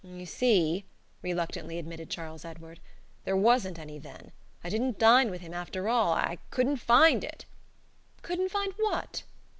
"You see," reluctantly admitted Charles Edward, "there wasn't any then. I didn't dine with him, after all. I couldn't find it " "Couldn't find what?"